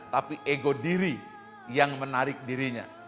tapi ego diri yang menarik dirinya